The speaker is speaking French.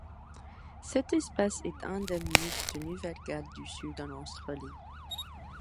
Cette espèce est endémique de Nouvelle-Galles du Sud en Australie.